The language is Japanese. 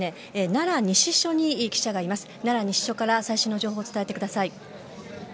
奈良西署から最新の情報を伝えてください。